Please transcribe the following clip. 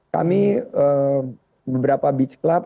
kami beberapa beach club